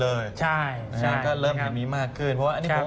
เลยใช่ใช่ก็เริ่มแบบนี้มากขึ้นเพราะว่าอันนี้ผมว่า